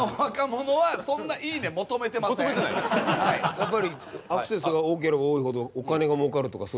やっぱりアクセスが多ければ多いほどお金が儲かるとかそういうことですか？